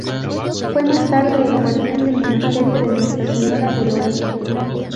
Fue más tarde el guardián del monasterio de Nuestra Señora de Loreto.